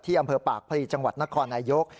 อำเภอปากพลีจังหวัดนครนายก